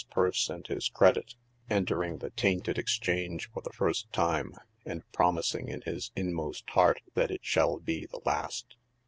15 purse and his credit, entering the tainted exchange for the first time, and promising in his inmost heart that it shall be the last.